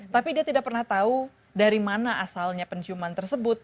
tapi dia tidak pernah tahu dari mana asalnya penciuman tersebut